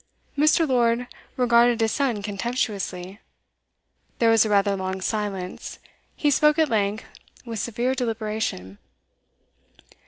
Mr. Lord regarded his son contemptuously. There was a rather long silence; he spoke at length with severe deliberation.